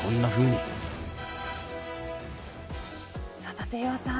立岩さん